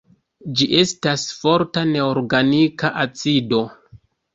Ĝi estas forta neorganika acido.